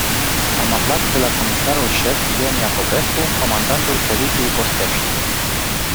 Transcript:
Am aflat de la comisarul șef Ion Iacobescu, comandantul Poliției Costești.